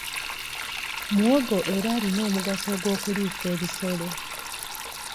Muwogo era alina omugaso gw'okuliisa ebisolo.